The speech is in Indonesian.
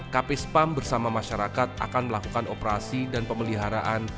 kp spam bersama masyarakat akan melakukan operasi dan pemeliharaan